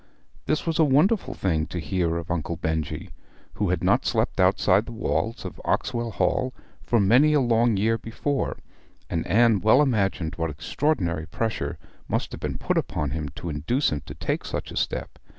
This was a wonderful thing to hear of Uncle Benjy, who had not slept outside the walls of Oxwell Hall for many a long year before; and Anne well imagined what extraordinary pressure must have been put upon him to induce him to take such a step.